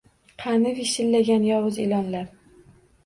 Qani vishillagan yovuz ilonlar?